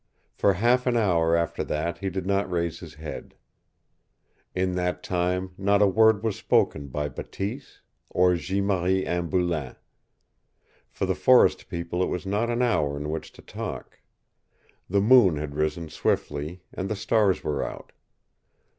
For half an hour after that he did not raise his head. In that time not a word was spoken by Bateese or Jeanne Marie Anne Boulain. For the forest people it was not an hour in which to talk. The moon had risen swiftly, and the stars were out.